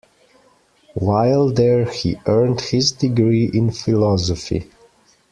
While there, he earned his degree in Philosophy.